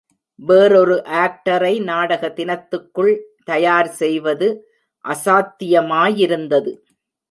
வேறொரு ஆக்டரை நாடக தினத்துக்குள் தயார் செய்வது அசாத்தியமாயிருந்தது.